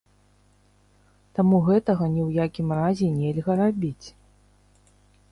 Таму гэтага ні ў якім разе нельга рабіць.